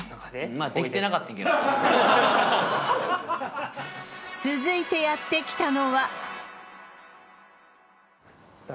まあ続いてやって来たのは誰？